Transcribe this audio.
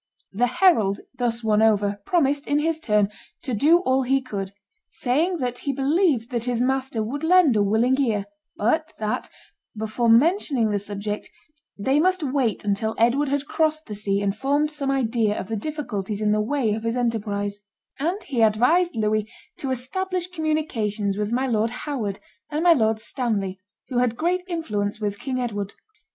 The herald, thus won over, promised, in his turn, to do all he could, saying that he believed that his master would lend a willing ear, but that, before mentioning the subject, they must wait until Edward had crossed the sea and formed some idea of the difficulties in the way of his enterprise; and he advised Louis to establish communications with my lord Howard and my lord Stanley, who had great influence with King Edward.